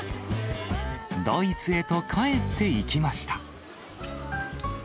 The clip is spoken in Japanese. ドイツへと帰っていきました。